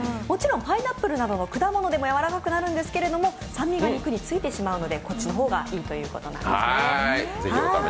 もちろんパイナップルなどの果物でもやわらかくなるんですけど酸味が肉についてしまうので、こっちの方がいいということです。